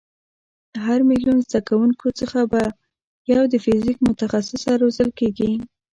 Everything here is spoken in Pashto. له هر میلیون زده کوونکیو څخه به یو د فیزیک متخصصه روزل کېږي.